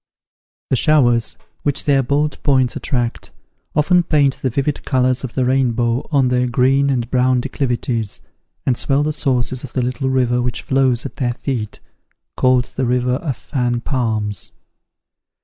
The showers, which their bold points attract, often paint the vivid colours of the rainbow on their green and brown declivities, and swell the sources of the little river which flows at their feet, called the river of Fan Palms.